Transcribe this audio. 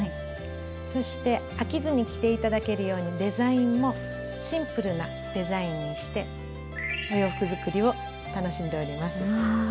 そして飽きずに着て頂けるようにデザインもシンプルなデザインにしてお洋服作りを楽しんでおります。